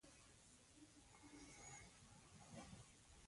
خالي کورنۍ نه درلوده.